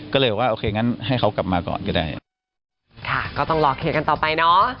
ก็เลยว่าโอเคอย่างนั้นให้เขากลับมาก่อนก็ได้